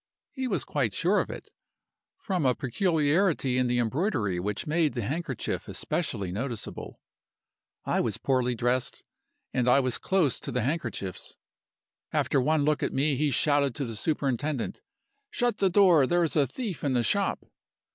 He was quite sure of it, from a peculiarity in the embroidery which made the handkerchief especially noticeable. I was poorly dressed, and I was close to the handkerchiefs. After one look at me he shouted to the superintendent: 'Shut the door! There is a thief in the shop!